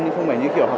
và chăm chỉ hơn